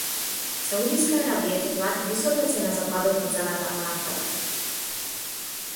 Саудиска Арабија ќе плати висока цена за падот на цената на нафтата